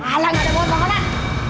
alah gak ada mohon mohonan